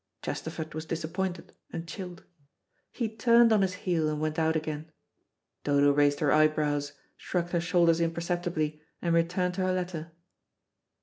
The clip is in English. Chesterford was disappointed and chilled. He turned on his heel and went out again. Dodo raised her eyebrows, shrugged her shoulders imperceptibly, and returned to her letter.